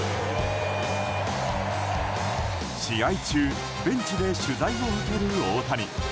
試合中ベンチで取材を受ける大谷。